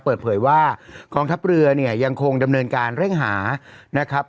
เปิดเผยว่ากองทัพเรือเนี่ยยังคงดำเนินการเร่งหานะครับ